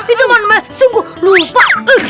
itu mana mana sungguh lupa